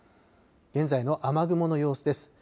現在の雨雲の様子です。